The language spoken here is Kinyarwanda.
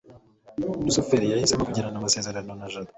rusufero yahisemo kugirana amasezerano na jabo